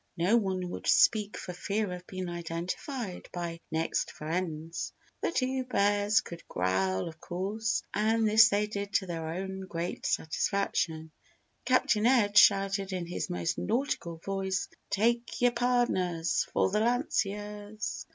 No one would speak for fear of being identified by "next friends." The two bears could growl of course, and this they did to their own great satisfaction. Captain Ed shouted in his most nautical voice, "Take yer pardners for the lanciers!"